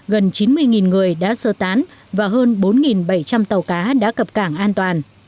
gần chín mươi người đã sơ tán và hơn bốn bảy trăm linh tàu cá đã cập cảng an toàn